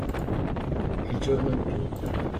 Il giorno in più